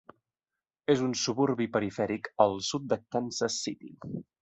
És un suburbi perifèric al sud de Kansas City.